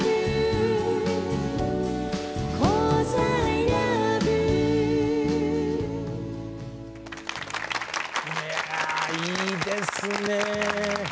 いやいいですね！